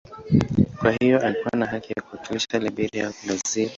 Kwa hiyo alikuwa na haki ya kuwakilisha Liberia au Brazil.